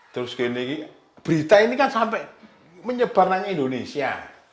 terus gini berita ini kan sampai menyebar dengan indonesia